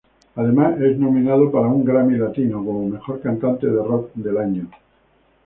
Además, es nominado para un Grammy Latino como mejor cantante de rock del año.